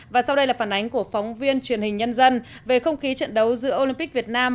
và sau đây là phản ánh của phóng viên truyền hình nhân dân về không khí trận đấu giữa olympic việt nam